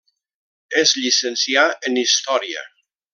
Es llicencià en Història.